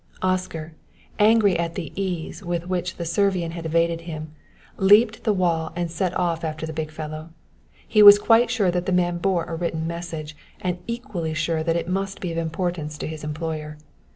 Oscar, angry at the ease with which the Servian had evaded him, leaped the wall and set off after the big fellow. He was quite sure that the man bore a written message, and equally sure that it must be of importance to his employer.